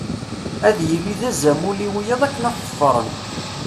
Ad yili d azamul i wiyaḍ akken ad t-ḍefren.